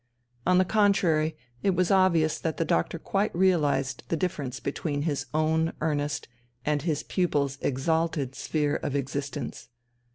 On the contrary, it was obvious that the doctor quite realized the difference between his own earnest, and his pupil's exalted, sphere of existence.